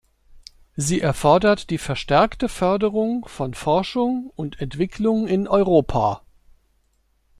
Sie erfordert die verstärkte Förderung von Forschung und Entwicklung in Europa.